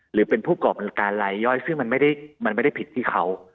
หรือเป็นผู้ก่อบันการลายย่อยซึ่งมันไม่ได้ผิดที่เขา